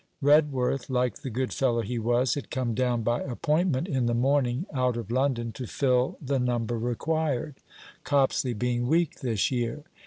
Redworth, like the good fellow he was, had come down by appointment in the morning out of London, to fill the number required, Copsley being weak this year.